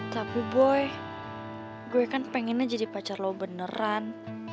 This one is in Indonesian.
tapi boy gue kan pengennya jadi pacar lo beneran